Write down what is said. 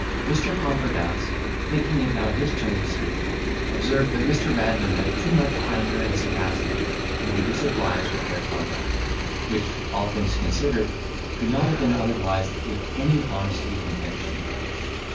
Mr. Concordance, thinking it now his turn to speak, observed that Mr. Random had too much candour and sagacity to be disobliged at their conduct, which, all things considered, could not have been otherwise with any honesty of intention.